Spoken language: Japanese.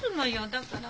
だから。